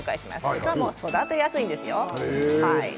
しかも育てやすいですよ。